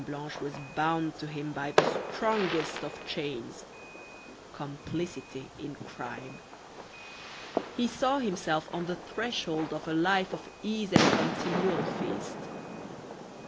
Blanche was bound to him by the strongest of chains complicity in crime. He saw himself on the threshold of a life of ease and continual feasting.